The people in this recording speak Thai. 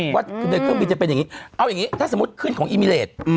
ว่าในเครื่องบินจะเป็นอย่างนี้เอาอย่างนี้ถ้าสมมุติขึ้นของอีมิเลส